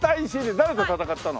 誰と戦ったの？